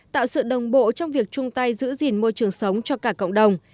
tạo sự đồng bộ trong việc chung tay giữ gìn môi trường sống cho cả cộng đồng